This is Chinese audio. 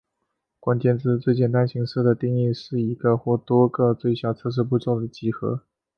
关键字最简单形式的定义是一个或多个最小测试步骤的集合。